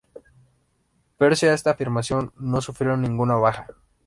Pese a esta afirmación, no sufrieron ninguna baja.